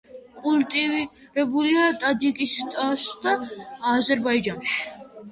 კულტივირებულია ტაჯიკეთსა და აზერბაიჯანში.